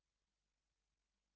sampai jumpa di video selanjutnya